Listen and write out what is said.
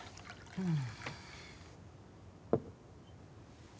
うん。